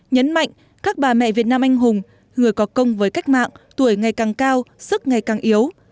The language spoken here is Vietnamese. nhấn mạnh các bà mẹ việt nam anh hùng người có công với cách mạng tuổi ngày càng cao sức ngày càng yếu